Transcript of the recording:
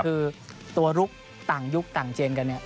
คือตัวลุกต่างยุคต่างเจนกันเนี่ย